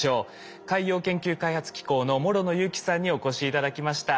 海洋研究開発機構の諸野祐樹さんにお越し頂きました。